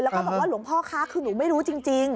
แล้วก็บอกว่าหลวงพ่อคะคือหนูไม่รู้จริง